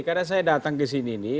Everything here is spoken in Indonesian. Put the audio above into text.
karena saya datang kesini nih